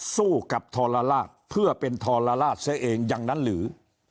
สู้กับทรลาศเพื่อเป็นทรลาศซะเองอย่างนั้นหรือ